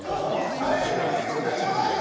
カレーに勝てる料理何もないよ！